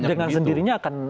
nah dengan sendirinya akan